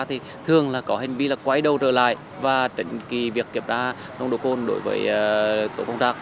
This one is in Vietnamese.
thì thường có hành vi quay đầu trở lại và trận kỳ việc kiểm tra nông độ côn